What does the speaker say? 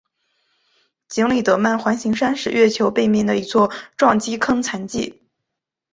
弗里德曼环形山是月球背面的一座撞击坑残迹。